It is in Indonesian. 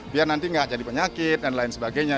biar nanti nggak jadi penyakit dan lain sebagainya